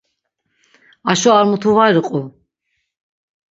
Aşo ar mutu var iqu.